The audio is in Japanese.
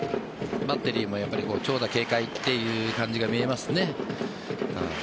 バッテリーも長打警戒という感じが見えますね。